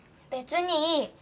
別にいい。